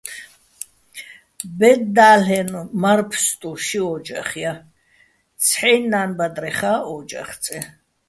ბედ და́ლ'ენო̆ მარ-ფსტუ ში ო́ჯახ ჲა, ცჰ̦აჲნი̆ ნან-ბადრეხა́ ო́ჯახ წე.